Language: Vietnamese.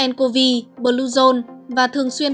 ncovi bluzone và thường xuyên